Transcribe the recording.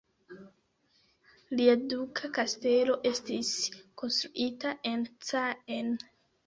Lia duka kastelo estis konstruita en Caen.